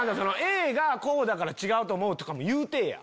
Ａがこうだから違うと思うとか言うてぇや！